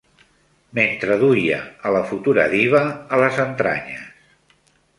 Mentre duia a la futura diva a les entranyes.